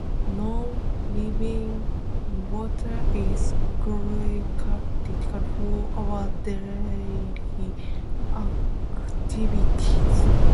Non-living water is crucial for our daily activities.